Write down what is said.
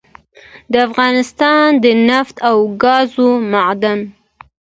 دافغانستان دنفت او ګازو معادن